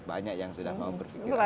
banyak yang sudah mau berpikir